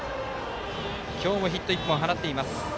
今日もヒット１本放っています。